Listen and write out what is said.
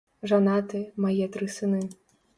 Жанаты, мае тры сыны.